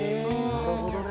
なるほどね！